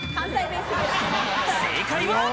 正解は。